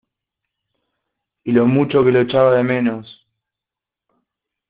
y lo mucho que los echaba de menos.